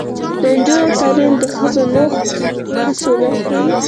د نجونو تعلیم د ښځو نوښت هڅونه کوي.